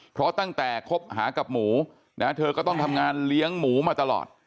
เพราะตั้งแต่คบหากับหมูนะเธอก็ต้องทำงานเลี้ยงหมูมาตลอด